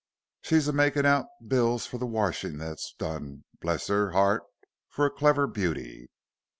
She's a makin' out bills fur them as 'ad washin' done, bless her 'eart for a clever beauty."